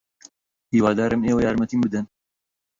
ھیوادارم ئێوە یارمەتیم بدەن.